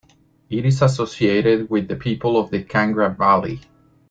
It is associated with the people of the Kangra Valley.